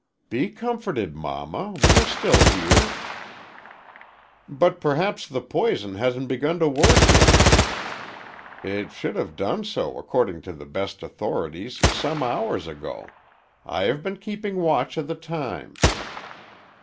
"Be comforted, Mamma; we are still here." "But perhaps the poison hasn't begun to work yet." "It should have done so, according to the best authorities, some hours ago. I have been keeping watch of the time."